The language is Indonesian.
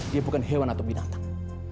dia bukan hewan atau binatang